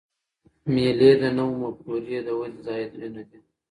مېلې د نوو مفکورې د ودي ځایونه دي.